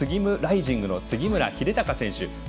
スギムライジングの杉村英孝選手。